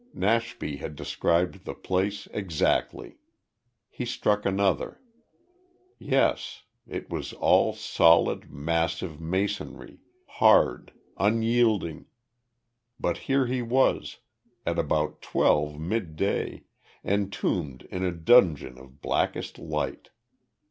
Nashby had described the place exactly. He struck another. Yes. It was all solid, massive masonry hard, unyielding. But here he was at about twelve midday entombed in a dungeon of blackest night.